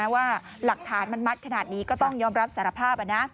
ว่าหลักฐานมันมัดขนาดนี้ก็ต้องยอมรับสารภาพ